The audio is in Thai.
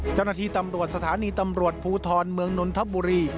เจ้าหน้าที่ตำรวจสถานีตำรวจภูทรเมืองนนทบุรี